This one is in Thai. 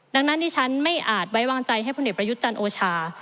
ดังนั้นที่ฉันไม่อาจไว้วางใจให้พลเอกประยุทธ์จันทร์โอชา